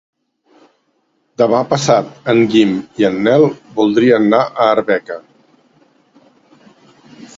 Demà passat en Guim i en Nel voldrien anar a Arbeca.